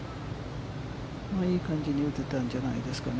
いい感じに打てたんじゃないですかね。